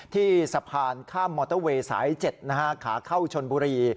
ที่สะพานข้ามมอเตอร์เวย์สาย๗ขาเข้าชนบุรี